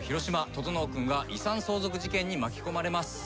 整君が遺産相続事件に巻き込まれます。